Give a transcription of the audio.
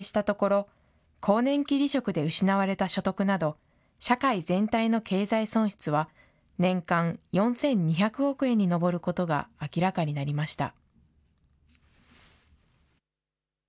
専門家が推計したところ、更年期離職でに失われた所得など、社会全体の経済損失は、年間４２００億円に上ることが明らかになりました。